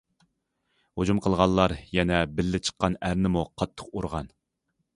ھۇجۇم قىلغانلار يەنە بىللە چىققان ئەرنىمۇ قاتتىق ئۇرغان.